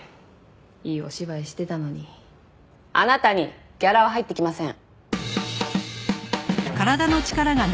いいお芝居してたのにあなたにギャラは入ってきません！